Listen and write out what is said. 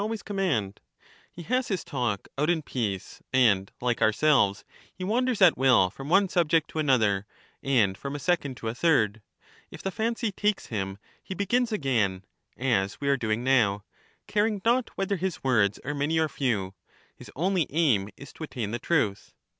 always command : he has his talk out in peace, and, like our in which is selves, he wanders at will from one subject to another, and ^^'JlJJ^^' from a second to a third, — if the fancy takes him, he begins opposition again, as we are doing now, caring not whether his words ^^^^ are many or few ; his only aim is to attain the truth.